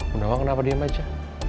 bu nawang kenapa diam aja